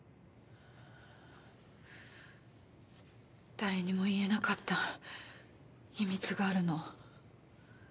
誰にも言えなかった秘密があるの。